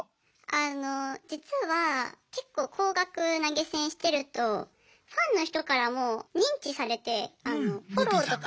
あの実は結構高額投げ銭してるとファンの人からも認知されてフォローとか。